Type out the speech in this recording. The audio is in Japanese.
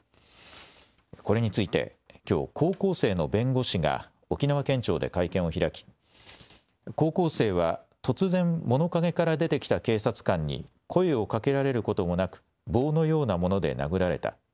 これについてきょう、高校生の弁護士が、沖縄県庁で会見を開き、高校生は突然、物陰から出てきた警察官に声をかけられることもなく、棒のようなもので殴られた。